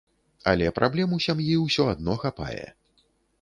Але праблем у сям'і ўсё адно хапае.